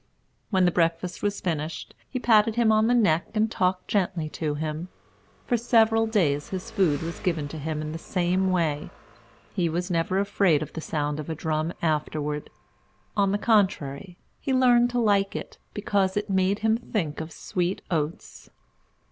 When the breakfast was finished, he patted him on the neck and talked gently to him. For several days his food was given to him in the same way. He was never afraid of the sound of a drum afterward. On the contrary, he learned to like it, because it made him think of sweet oats.